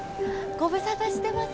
ご無沙汰してます。